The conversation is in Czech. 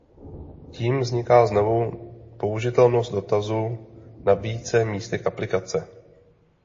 Tím vzniká znovu použitelnost dotazu na více místech aplikace.